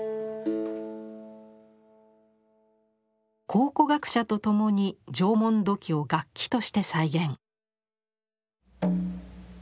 考古学者とともに縄文土器を楽器として再現。